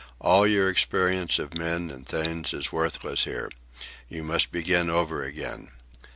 "All your experience of men and things is worthless here. You must begin over again.